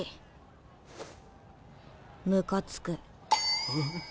むかつく。